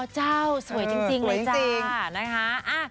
เจ้าสวยจริงเลยจ้านะคะ